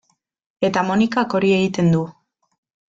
Eta Monikak hori egiten du.